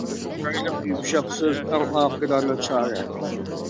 چىرايلىق، يۇمشاق سۆز ئەڭ ئاقىلانە چارە.